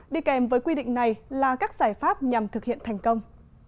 đi kèm với quy định này là các giải pháp nhằm thực hiện thành công